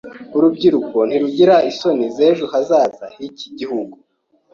Urubyiruko ntirugira isoni z'ejo hazaza h'iki gihugu.